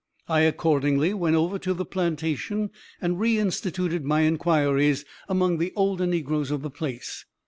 I accordingly went over to the plantation, and reinstituted my inquiries among the older negroes of the place.